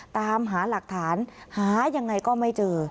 ตามหาหลักฐานหายังไงก็ไม่เจอ